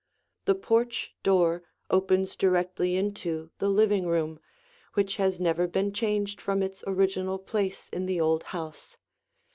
The porch door opens directly into the living room, which has never been changed from its original place in the old house.